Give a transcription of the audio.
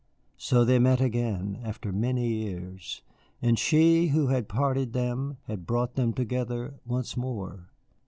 So they met again after many years, and she who had parted them had brought them together once more.